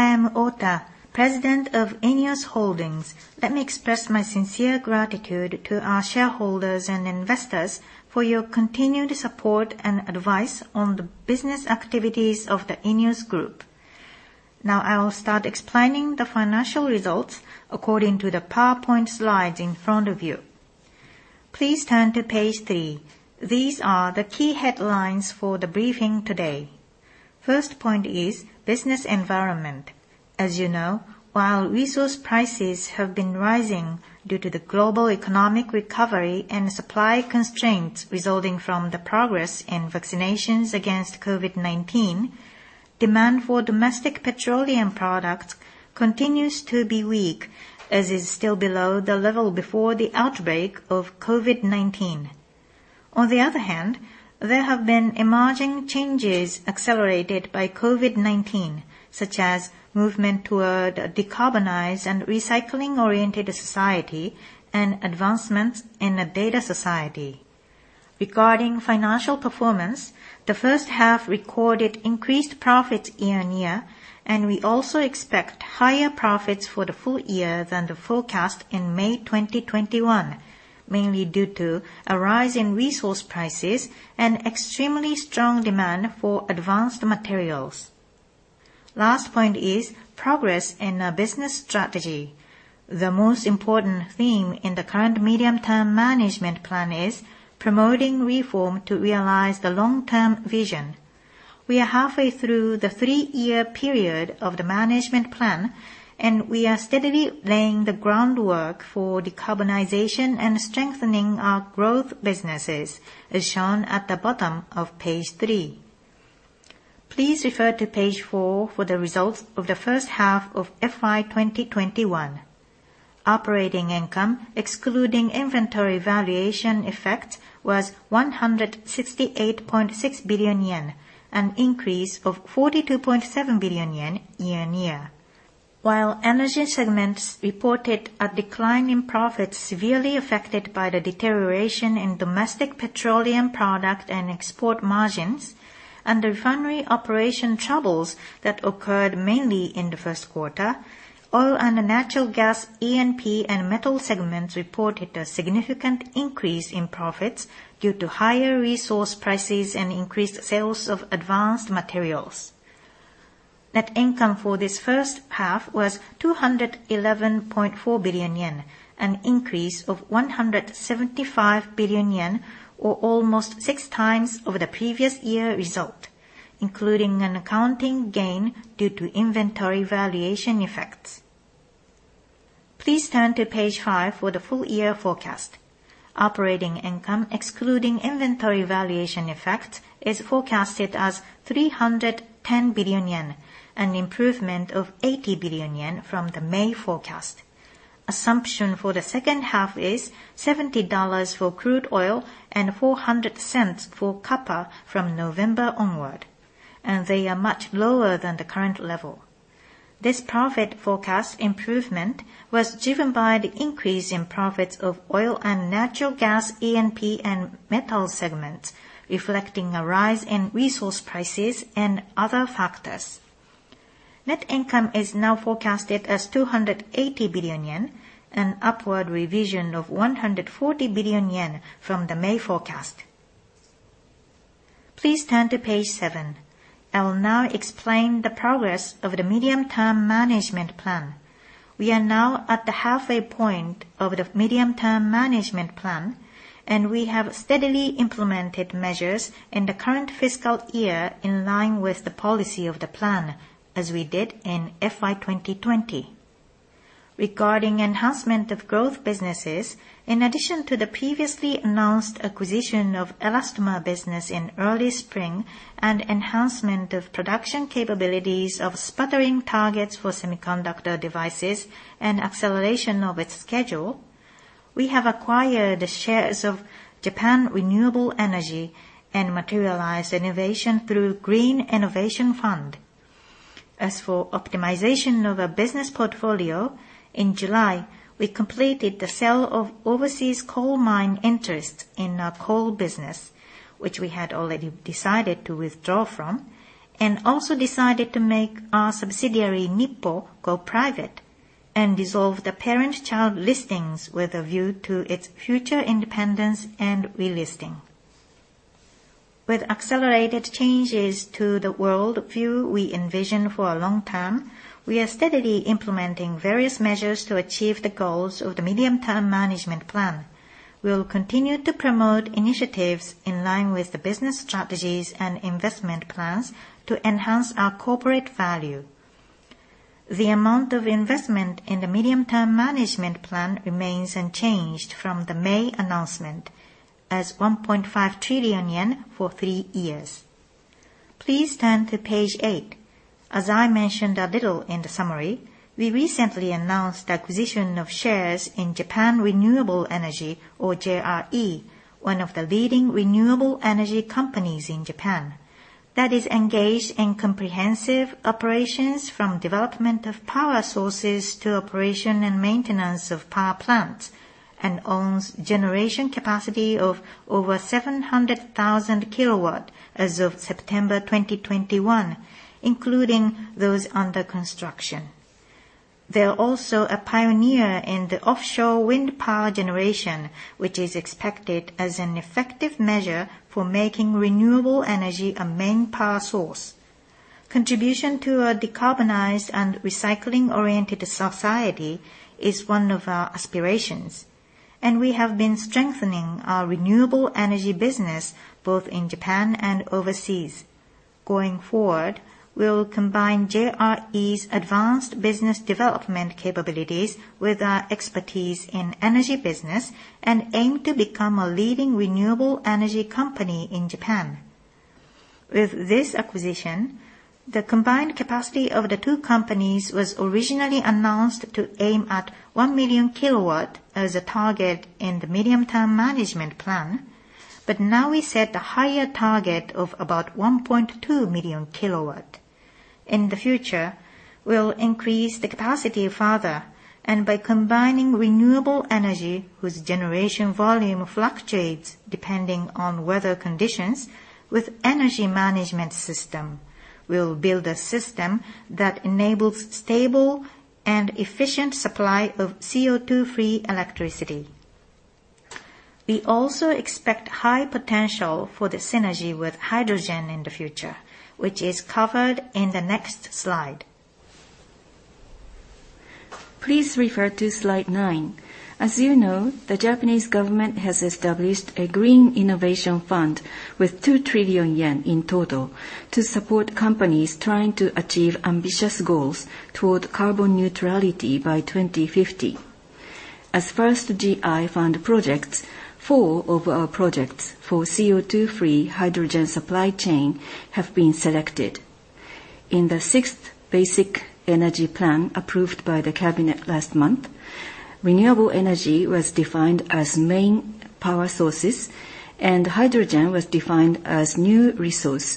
I am Ota, President of ENEOS Holdings. Let me express my sincere gratitude to our shareholders and investors for your continued support and advice on the business activities of the ENEOS Group. Now I will start explaining the financial results according to the PowerPoint slides in front of you. Please turn to page three. These are the key headlines for the briefing today. First point is business environment. As you know, while resource prices have been rising due to the global economic recovery and supply constraints resulting from the progress in vaccinations against COVID-19, demand for domestic petroleum products continues to be weak, as it is still below the level before the outbreak of COVID-19. On the other hand, there have been emerging changes accelerated by COVID-19, such as movement toward a decarbonized and recycling-oriented society and advancements in a data society. Regarding financial performance, the first half recorded increased profits year-on-year, and we also expect higher profits for the full year than the forecast in May 2021, mainly due to a rise in resource prices and extremely strong demand for advanced materials. Last point is progress in our business strategy. The most important theme in the current medium-term management plan is promoting reform to realize the long-term vision. We are halfway through the three-year period of the management plan, and we are steadily laying the groundwork for decarbonization and strengthening our growth businesses, as shown at the bottom of page three. Please refer to page four for the results of the first half of FY 2021. Operating income, excluding inventory valuation effects, was 168.6 billion yen, an increase of 42.7 billion yen year-on-year. While Energy segments reported a decline in profits severely affected by the deterioration in domestic petroleum product and export margins and the refinery operation troubles that occurred mainly in the first quarter, oil and natural gas, E&P, and Metal segments reported a significant increase in profits due to higher resource prices and increased sales of advanced materials. Net income for this first half was 211.4 billion yen, an increase of 175 billion yen, or almost six times over the previous year result, including an accounting gain due to inventory valuation effects. Please turn to page five for the full year forecast. Operating income, excluding inventory valuation effects, is forecasted as 310 billion yen, an improvement of 80 billion yen from the May forecast. Assumption for the second half is $70 for crude oil and $4.00 for copper from November onward, and they are much lower than the current level. This profit forecast improvement was driven by the increase in profits of oil and natural gas, E&P and metal segments, reflecting a rise in resource prices and other factors. Net income is now forecasted as 280 billion yen, an upward revision of 140 billion yen from the May forecast. Please turn to page seven. I will now explain the progress of the medium-term management plan. We are now at the halfway point of the medium-term management plan, and we have steadily implemented measures in the current fiscal year in line with the policy of the plan, as we did in FY 2020. Regarding enhancement of growth businesses, in addition to the previously announced acquisition of elastomer business in early spring and enhancement of production capabilities of sputtering targets for semiconductor devices and acceleration of its schedule, we have acquired the shares of Japan Renewable Energy and materialized innovation through Green Innovation Fund. As for optimization of our business portfolio, in July, we completed the sale of overseas coal mine interests in our coal business, which we had already decided to withdraw from, and also decided to make our subsidiary, NIPPO, go private and dissolve the parent-child listings with a view to its future independence and relisting. With accelerated changes to the world view we envision for a long-term, we are steadily implementing various measures to achieve the goals of the medium-term management plan. We will continue to promote initiatives in line with the business strategies and investment plans to enhance our corporate value. The amount of investment in the medium-term management plan remains unchanged from the May announcement as 1.5 trillion yen for three years. Please turn to page eight. As I mentioned a little in the summary, we recently announced acquisition of shares in Japan Renewable Energy, or JRE, one of the leading renewable energy companies in Japan that is engaged in comprehensive operations from development of power sources to operation and maintenance of power plants and owns generation capacity of over 700,000 kW as of September 2021, including those under construction. They're also a pioneer in the offshore wind power generation, which is expected as an effective measure for making renewable energy a main power source. Contribution to a decarbonized and recycling-oriented society is one of our aspirations, and we have been strengthening our renewable energy business both in Japan and overseas. Going forward, we'll combine JRE's advanced business development capabilities with our expertise in energy business, and aim to become a leading renewable energy company in Japan. With this acquisition, the combined capacity of the two companies was originally announced to aim at 1 million kW as a target in the medium-term management plan. Now we set a higher target of about 1.2 million kW. In the future, we'll increase the capacity further, and by combining renewable energy, whose generation volume fluctuates depending on weather conditions, with energy management system. We'll build a system that enables stable and efficient supply of CO2-free electricity. We also expect high potential for the synergy with hydrogen in the future, which is covered in the next slide. Please refer to slide nine. As you know, the Japanese government has established a Green Innovation Fund with 2 trillion yen in total to support companies trying to achieve ambitious goals toward carbon neutrality by 2050. As first GI Fund projects, four of our projects for CO2-free hydrogen supply chain have been selected. In the Sixth Strategic Energy Plan approved by the cabinet last month, renewable energy was defined as main power sources, and hydrogen was defined as new resource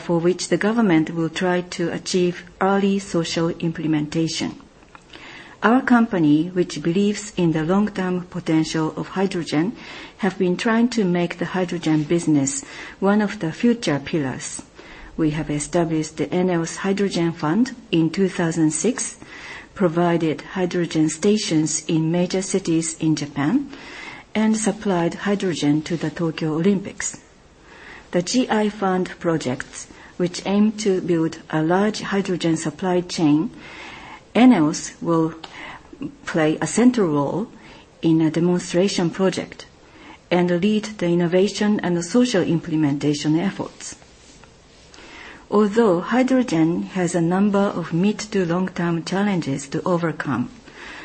for which the government will try to achieve early social implementation. Our company, which believes in the long-term potential of hydrogen, have been trying to make the hydrogen business one of the future pillars. We have established the ENEOS Hydrogen Fund in 2006, provided hydrogen stations in major cities in Japan, and supplied hydrogen to the Tokyo Olympics. The GI Fund projects, which aim to build a large hydrogen supply chain, ENEOS will play a central role in a demonstration project and lead the innovation and the social implementation efforts. Although hydrogen has a number of mid to long-term challenges to overcome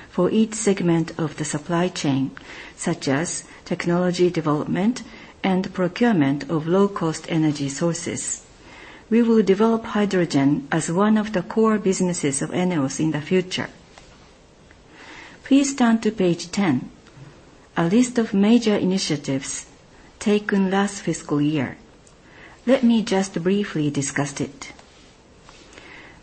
for each segment of the supply chain, such as technology development and procurement of low-cost energy sources, we will develop hydrogen as one of the core businesses of ENEOS in the future. Please turn to page 10, a list of major initiatives taken last fiscal year. Let me just briefly discuss it.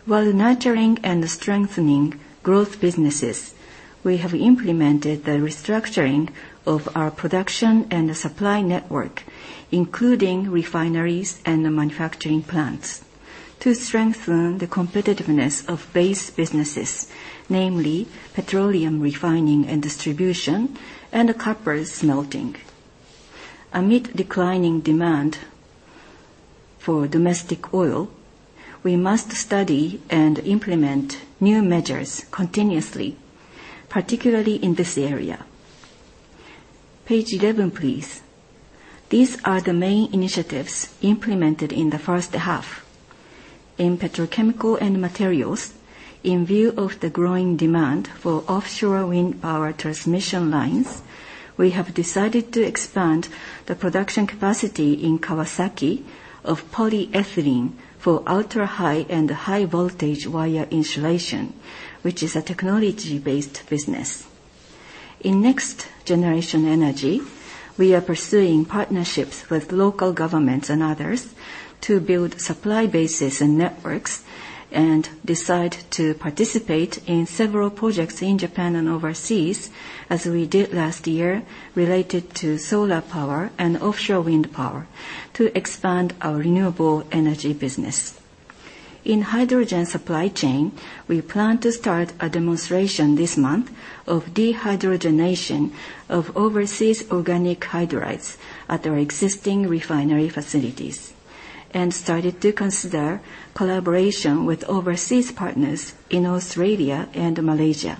While nurturing and strengthening growth businesses, we have implemented the restructuring of our production and the supply network, including refineries and the manufacturing plants, to strengthen the competitiveness of base businesses, namely petroleum refining and distribution, and copper smelting. Amid declining demand for domestic oil, we must study and implement new measures continuously, particularly in this area. Page 11, please. These are the main initiatives implemented in the first half. In petrochemical and materials, in view of the growing demand for offshore wind power transmission lines, we have decided to expand the production capacity in Kawasaki of polyethylene for ultra-high and high-voltage wire insulation, which is a technology-based business. In next generation energy, we are pursuing partnerships with local governments and others to build supply bases and networks, and decide to participate in several projects in Japan and overseas, as we did last year, related to solar power and offshore wind power to expand our renewable energy business. In hydrogen supply chain, we plan to start a demonstration this month of dehydrogenation of overseas organic hydrides at our existing refinery facilities, and started to consider collaboration with overseas partners in Australia and Malaysia.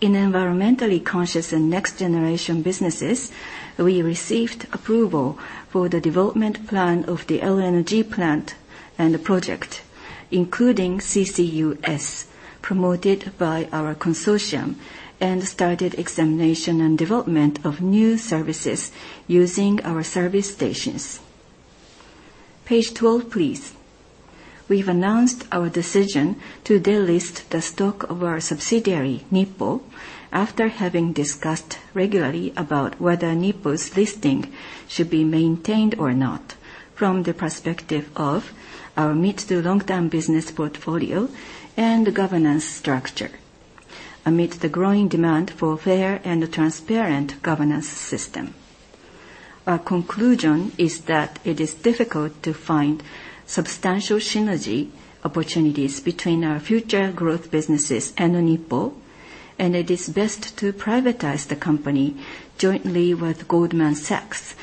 In environmentally conscious and next-generation businesses, we received approval for the development plan of the LNG plant and the project, including CCUS, promoted by our consortium, and started examination and development of new services using our service stations. Page 12, please. We've announced our decision to delist the stock of our subsidiary, NIPPO, after having discussed regularly about whether NIPPO's listing should be maintained or not from the perspective of our mid to long-term business portfolio and governance structure amid the growing demand for fair and transparent governance system. Our conclusion is that it is difficult to find substantial synergy opportunities between our future growth businesses and NIPPO, and it is best to privatize the company jointly with Goldman Sachs,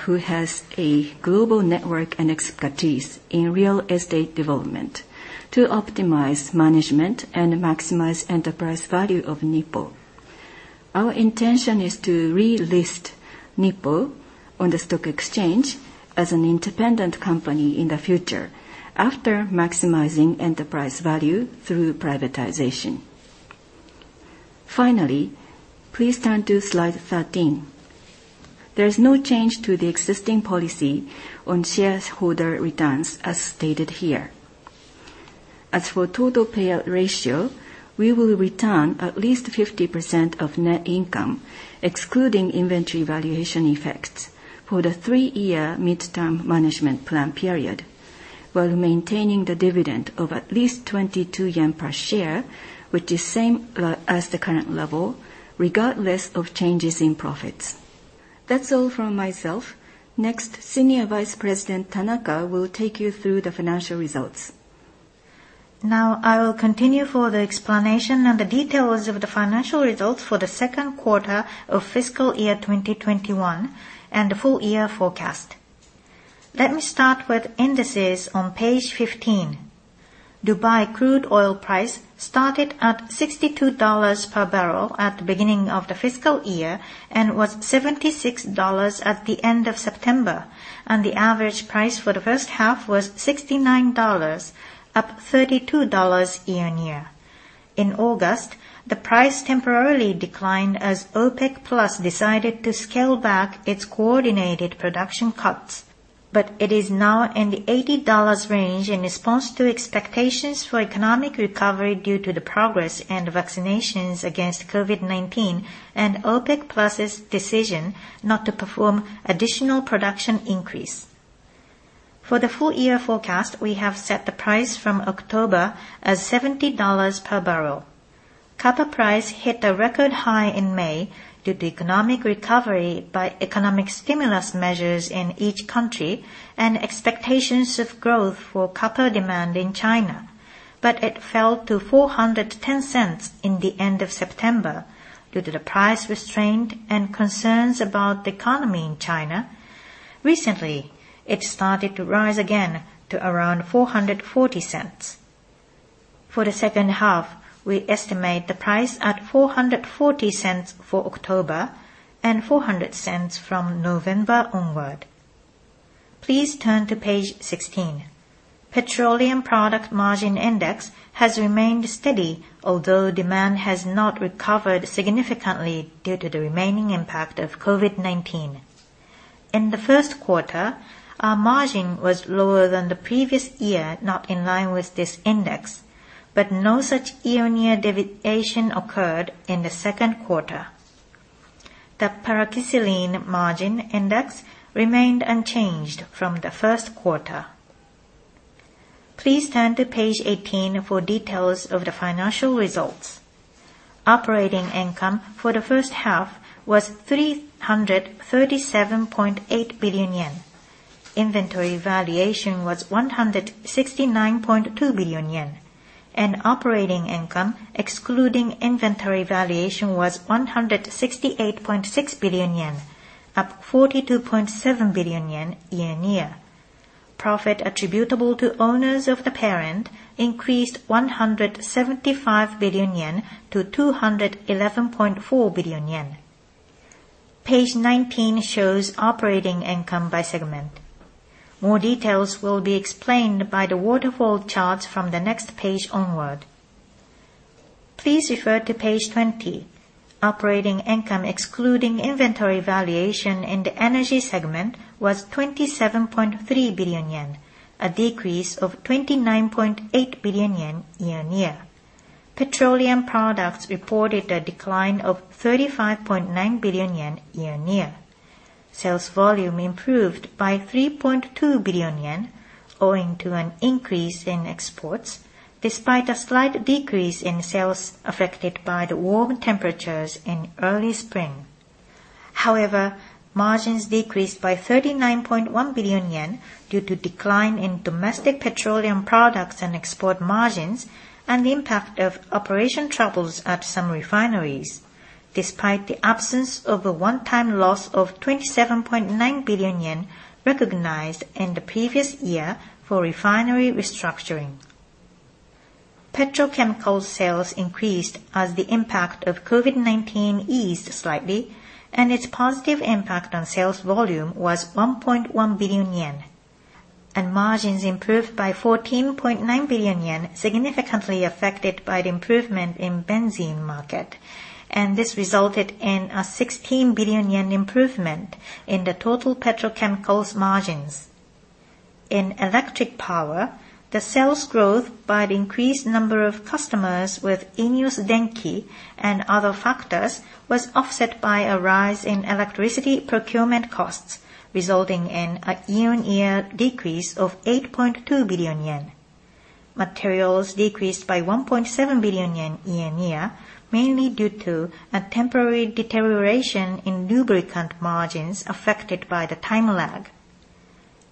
who has a global network and expertise in real estate development to optimize management and maximize enterprise value of NIPPO. Our intention is to relist NIPPO on the stock exchange as an independent company in the future after maximizing enterprise value through privatization. Finally, please turn to slide 13. There is no change to the existing policy on shareholder returns, as stated here. As for total payout ratio, we will return at least 50% of net income, excluding inventory valuation effects for the three-year midterm management plan period, while maintaining the dividend of at least 22 yen per share, which is same as the current level regardless of changes in profits. That's all from myself. Next, Senior Vice President Tanaka will take you through the financial results. Now, I will continue for the explanation and the details of the financial results for the second quarter of fiscal year 2021 and the full-year forecast. Let me start with indices on page 15. Dubai crude oil price started at $62 per barrel at the beginning of the fiscal year and was $76 at the end of September, and the average price for the first half was $69, up $32 year-on-year. In August, the price temporarily declined as OPEC+ decided to scale back its coordinated production cuts. It is now in the $80 range in response to expectations for economic recovery due to the progress in vaccinations against COVID-19 and OPEC+'s decision not to perform additional production increase. For the full-year forecast, we have set the price from October as $70 per barrel. Copper price hit a record high in May due to economic recovery by economic stimulus measures in each country and expectations of growth for copper demand in China. It fell to $4.10 in the end of September due to the price restraint and concerns about the economy in China. Recently, it started to rise again to around $4.40. For the second half, we estimate the price at $4.40 for October and $4.00 from November onward. Please turn to page 16. Petroleum product margin index has remained steady, although demand has not recovered significantly due to the remaining impact of COVID-19. In the first quarter, our margin was lower than the previous year, not in line with this index, but no such year-on-year deviation occurred in the second quarter. The paraxylene margin index remained unchanged from the first quarter. Please turn to page 18 for details of the financial results. Operating income for the first half was 337.8 billion yen. Inventory valuation was 169.2 billion yen. Operating income, excluding inventory valuation, was 168.6 billion yen, up 42.7 billion yen year-on-year. Profit attributable to owners of the parent increased 175 billion yen to 211.4 billion yen. Page 19 shows operating income by segment. More details will be explained by the waterfall charts from the next page onward. Please refer to page 20. Operating income, excluding inventory valuation in the energy segment, was 27.3 billion yen, a decrease of 29.8 billion yen year-on-year. Petroleum products reported a decline of 35.9 billion yen year-on-year. Sales volume improved by 3.2 billion yen, owing to an increase in exports despite a slight decrease in sales affected by the warm temperatures in early spring. However, margins decreased by 39.1 billion yen due to decline in domestic petroleum products and export margins and the impact of operation troubles at some refineries, despite the absence of a one-time loss of 27.9 billion yen recognized in the previous year for refinery restructuring. Petrochemicals sales increased as the impact of COVID-19 eased slightly, and its positive impact on sales volume was 1.1 billion yen. Margins improved by 14.9 billion yen, significantly affected by the improvement in benzene market. This resulted in a 16 billion yen improvement in the total petrochemicals margins. In electric power, the sales growth by the increased number of customers with ENEOS Denki and other factors was offset by a rise in electricity procurement costs, resulting in a year-on-year decrease of 8.2 billion yen. Materials decreased by 1.7 billion yen year-on-year, mainly due to a temporary deterioration in lubricant margins affected by the time lag.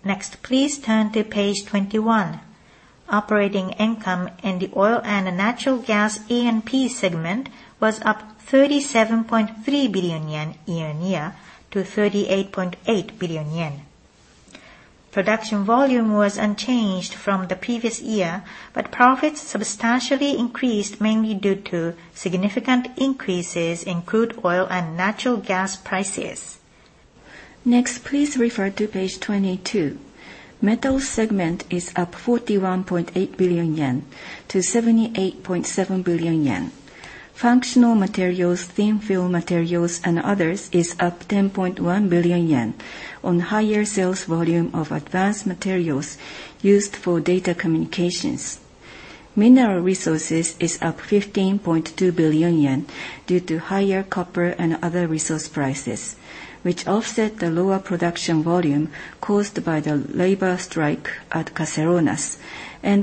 Next, please turn to page 21. Operating income in the oil and natural gas E&P segment was up 37.3 billion yen year-on-year to 38.8 billion yen. Production volume was unchanged from the previous year, but profits substantially increased, mainly due to significant increases in crude oil and natural gas prices. Next, please refer to page 22. Metals segment is up 41.8 billion yen to 78.7 billion yen. Functional materials, thin film materials, and others is up 10.1 billion yen on higher sales volume of advanced materials used for data communications. Mineral resources is up 15.2 billion yen due to higher copper and other resource prices, which offset the lower production volume caused by the labor strike at Caserones.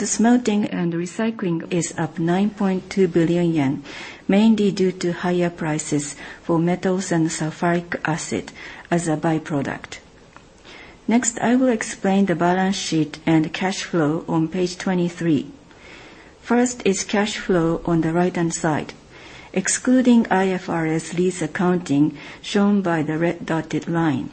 Smelting and recycling is up 9.2 billion yen, mainly due to higher prices for metals and sulfuric acid as a by-product. Next, I will explain the balance sheet and cash flow on page 23. First is cash flow on the right-hand side, excluding IFRS lease accounting shown by the red dotted line.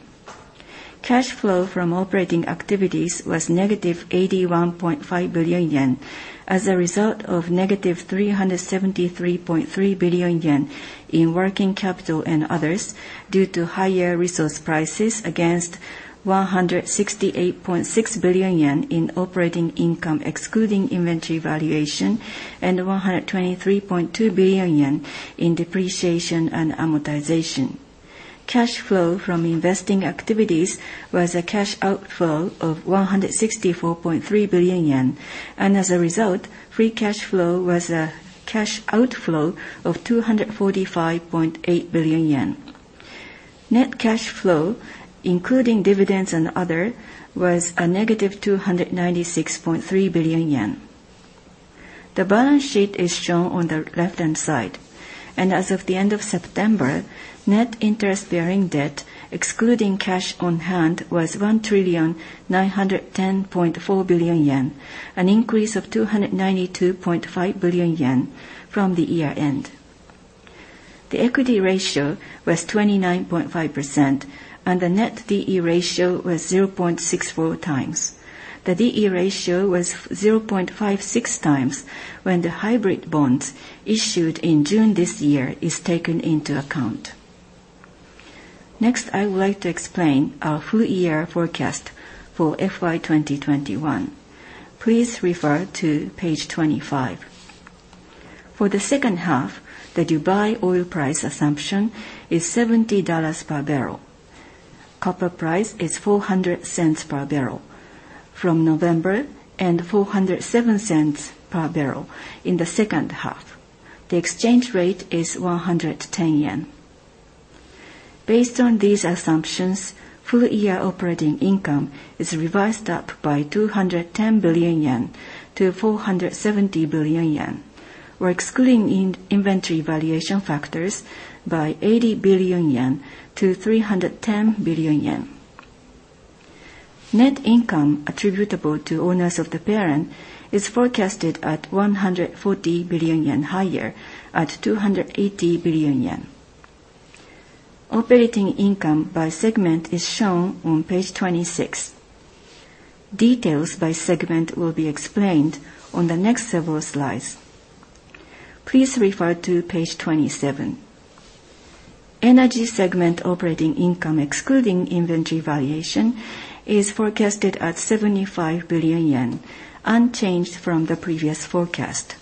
Cash flow from operating activities was negative 81.5 billion yen as a result of negative 373.3 billion yen in working capital and others due to higher resource prices against 168.6 billion yen in operating income, excluding inventory valuation, and 123.2 billion yen in depreciation and amortization. Cash flow from investing activities was a cash outflow of 164.3 billion yen. As a result, free cash flow was a cash outflow of 245.8 billion yen. Net cash flow, including dividends and other, was a negative 296.3 billion yen. The balance sheet is shown on the left-hand side. As of the end of September, net interest-bearing debt, excluding cash on hand, was 1,910.4 billion yen, an increase of 292.5 billion yen from the year-end. The equity ratio was 29.5%, and the net D/E ratio was 0.64x. The D/E ratio was 0.56x when the hybrid bonds issued in June this year is taken into account. Next, I would like to explain our full year forecast for FY 2021. Please refer to page 25. For the second half, the Dubai oil price assumption is $70 per barrel. Copper price is $4.00 per barrel from November, and $4.07 per barrel in the second half. The exchange rate is 110 yen. Based on these assumptions, full year operating income is revised up by 210 billion yen to 470 billion yen, or excluding inventory valuation factors by 80 billion yen to 310 billion yen. Net income attributable to owners of the parent is forecasted at 140 billion yen higher at 280 billion yen. Operating income by segment is shown on page 26. Details by segment will be explained on the next several slides. Please refer to page 27. Energy segment operating income, excluding inventory valuation, is forecasted at 75 billion yen, unchanged from the previous forecast.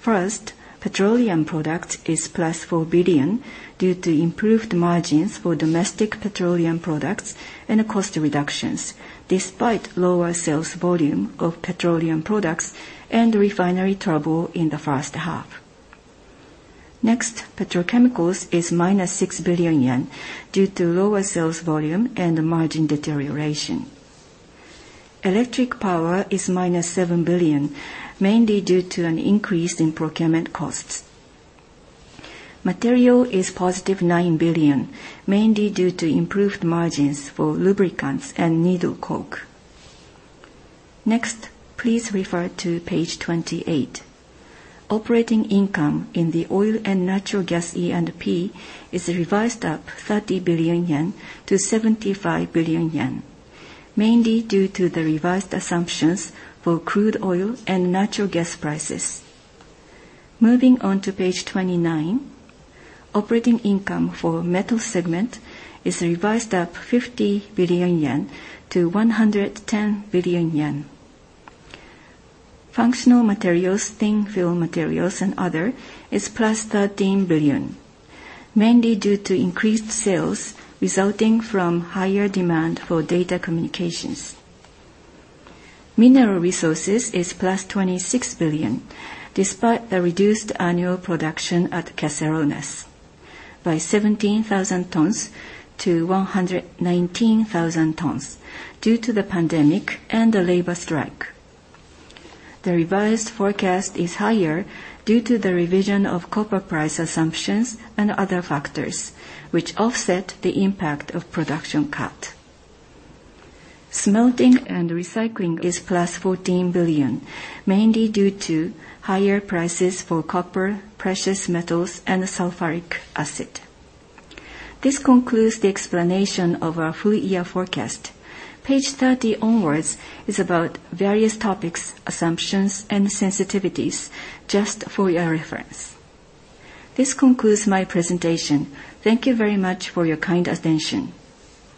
First, petroleum product is plus 4 billion due to improved margins for domestic petroleum products and cost reductions, despite lower sales volume of petroleum products and refinery trouble in the first half. Next, petrochemicals is -6 billion yen due to lower sales volume and margin deterioration. Electric power is -7 billion, mainly due to an increase in procurement costs. Materials is +9 billion, mainly due to improved margins for lubricants and needle coke. Next, please refer to page 28. Operating income in the oil and natural gas E&P is revised up 30 billion yen to 75 billion yen, mainly due to the revised assumptions for crude oil and natural gas prices. Moving on to page 29. Operating income for metals segment is revised up 50 billion yen to 110 billion yen. Functional materials, thin film materials, and other is +13 billion, mainly due to increased sales resulting from higher demand for data communications. Mineral resources is +26 billion, despite the reduced annual production at Caserones by 17,000 tons to 119,000 tons due to the pandemic and the labor strike. The revised forecast is higher due to the revision of copper price assumptions and other factors, which offset the impact of production cut. Smelting and recycling is +14 billion, mainly due to higher prices for copper, precious metals, and sulfuric acid. This concludes the explanation of our full year forecast. Page 30 onwards is about various topics, assumptions, and sensitivities, just for your reference. This concludes my presentation. Thank you very much for your kind attention.